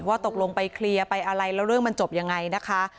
ตกลงไปเคลียร์ไปอะไรแล้วเรื่องมันจบยังไงนะคะ